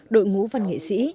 đội ngũ và nghệ sĩ